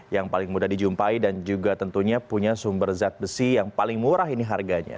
yang paling mudah dijumpai dan juga tentunya punya sumber zat besi yang paling murah ini harganya